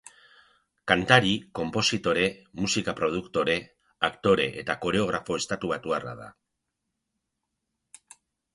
Kantari, konpositore, musika-produktore, aktore eta koreografo estatubatuarra da.